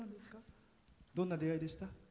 どんな出会いでした？